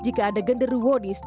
jika ada genderuwa yang berikutnya